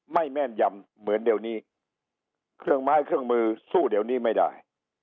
แม่นยำเหมือนเดี๋ยวนี้เครื่องไม้เครื่องมือสู้เดี๋ยวนี้ไม่ได้